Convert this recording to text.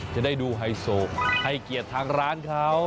จะได้ดูไฮโซให้เกียรติทางร้านเขา